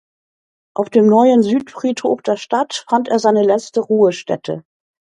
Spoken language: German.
Auf dem Neuen Südfriedhof der Stadt fand er seine letzte Ruhestätte.